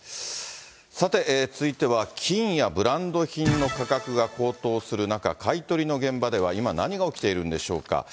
さて、続いては金やブランド品の価格が高騰する中、買い取りの現場では今何が起きているんでしょうか。